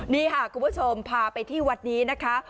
นี่ค่ะคุณผู้ชมพาไปที่วัดนี้นะคะ